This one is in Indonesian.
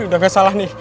ini udah gak salah nih